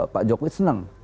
pak jokowi seneng